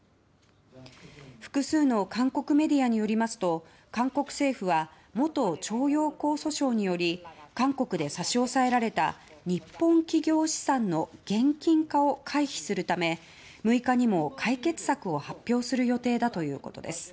複数の韓国メディアによりますと韓国政府は元徴用工訴訟により韓国で差し押さえられた日本企業資産の現金化を回避するため６日にも解決策を発表する予定だということです。